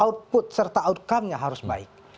output serta outcome nya harus baik